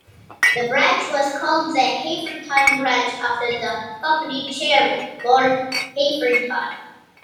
The branch was called the Hatherton Branch after the company chairman, Lord Hatherton.